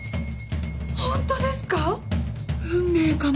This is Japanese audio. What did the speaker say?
ホントですか⁉運命かも。